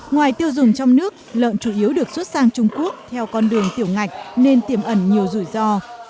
ngoài tiêu dùng trong nước lợn chủ yếu được xuất sang trung quốc theo con đường tiểu ngạch nên tiềm ẩn nhiều rủi ro